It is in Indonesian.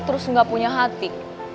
terus gak punya hati